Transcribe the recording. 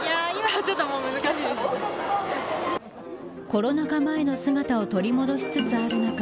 コロナ禍前の姿を取り戻しつつある中